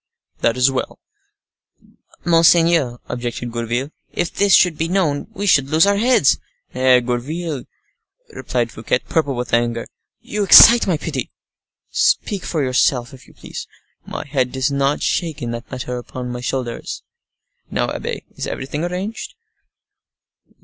"That is well." "Monseigneur," objected Gourville, "if this should be known, we should lose our heads." "Eh! Gourville," replied Fouquet, purple with anger, "you excite my pity. Speak for yourself, if you please. My head does not shake in that manner upon my shoulders. Now, abbe, is everything arranged?"